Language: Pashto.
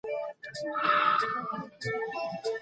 افغانستان له ګاونډیو هېوادونو سره د نه مداخلې اصل نه تعقیبوي.